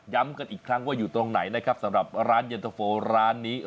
กันอีกครั้งว่าอยู่ตรงไหนนะครับสำหรับร้านเย็นตะโฟร้านนี้